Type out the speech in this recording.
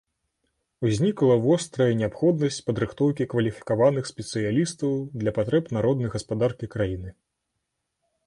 Узнікла вострая неабходнасць падрыхтоўкі кваліфікаваных спецыялістаў для патрэб народнай гаспадаркі краіны.